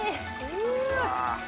うわ。